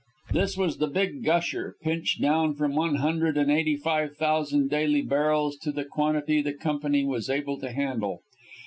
This was the big gusher, pinched down from one hundred and eighty five thousand daily barrels to the quantity the company was able to handle.